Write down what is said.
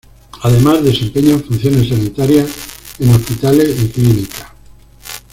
Además desempeñan funciones sanitarias en hospitales y clínicas.